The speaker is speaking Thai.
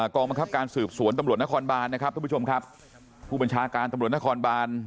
กองบังคับการสืบสวนตำรวจนครบานนะครับทุกผู้ชมครับผู้บัญชาการตำรวจนครบาน